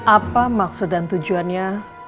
apa maksud dan tujuannya